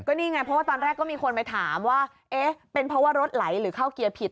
นี่ไงเพราะว่าตอนแรกก็มีคนไปถามว่าเอ๊ะเป็นเพราะว่ารถไหลหรือเข้าเกียร์ผิด